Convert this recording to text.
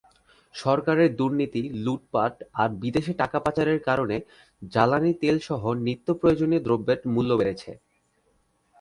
সরকারের দুর্নীতি, লুটপাট আর বিদেশে টাকা পাচারের কারণে জ্বালানি তেলসহ নিত্যপ্রয়োজনীয় দ্রব্যের মূল্য বেড়েছে।